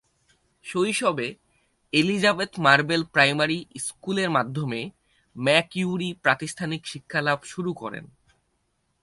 শৈশবে Elizabeth Marble primary স্কুলের মাধ্যমে ম্যাক ইউরি প্রাতিষ্ঠানিক শিক্ষালাভ শুরু করেন।